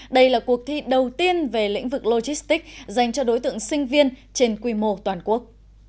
đây là cuộc thi đầu tiên về lĩnh vực logistics dành cho đối tượng sinh viên trên quy mô toàn quốc